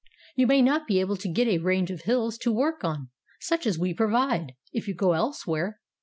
"You may not be able to get a range of hills to work on, such as we provide, if you go elsewhere.